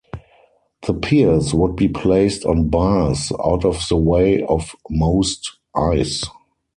The piers would be placed on bars out of the way of most ice.